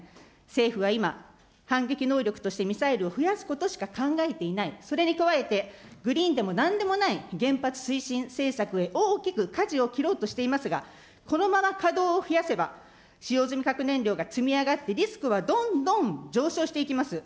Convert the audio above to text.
政府は今、反撃能力としてミサイルを増やすことしか考えていない、それに加えて、グリーンでもなんでもない原発推進政策へ大きくかじを切ろうとしていますが、このまま稼働を増やせば、使用済み核燃料が積み上がって、リスクはどんどん上昇していきます。